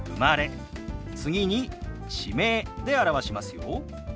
次に地名で表しますよ。